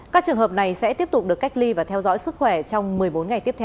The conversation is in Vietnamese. các trường hợp này sẽ tiếp tục được cách ly và theo dõi sức khỏe trong một mươi bốn ngày tiếp theo